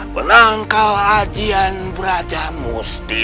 penangkal ajian brajamusti